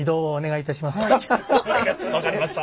分かりました。